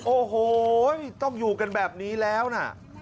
โอ้โหต้องอยู่กันแบบนี้แล้วนะ